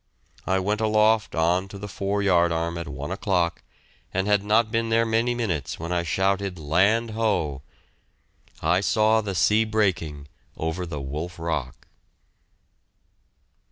I went aloft on to the fore yard arm at one o'clock, and had not been there many minutes when I shouted "Land Ho!" I saw the sea breaking over the Wolf Rock.